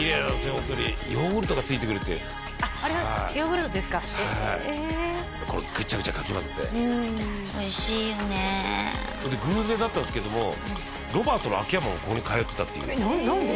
ホントにヨーグルトがついてくるってあれがヨーグルトですかはいこれグチャグチャかき混ぜておいしいよね偶然だったんですけどもロバートの秋山もここに通ってたっていう何で？